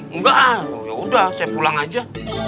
enggak ya udah saya pulang aja